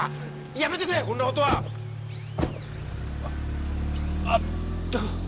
やめてくれこんなことは！あっ！